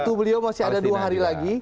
waktu beliau masih ada dua hari lagi